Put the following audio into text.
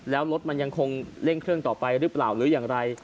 แล้วรถมันยังคงเร่งเครื่องต่อไปหรือเปล่าหรืออย่างไร